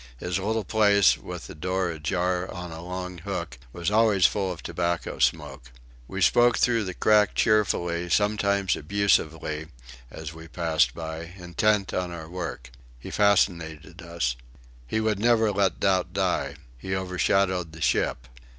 His little place, with the door ajar on a long hook, was always full of tobacco smoke. We spoke through the crack cheerfully, sometimes abusively, as we passed by, intent on our work. He fascinated us. He would never let doubt die. He overshadowed the ship.